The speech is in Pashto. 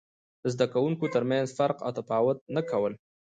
د زده کوونکو ترمنځ فرق او تفاوت نه کول.